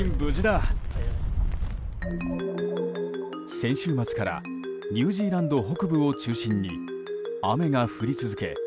先週末からニュージーランド北部を中心に雨が降り続け